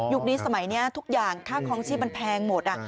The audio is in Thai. นี้สมัยนี้ทุกอย่างค่าคลองชีพมันแพงหมด